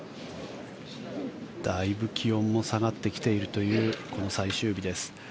だいぶ気温も下がってきているというこの最終日です。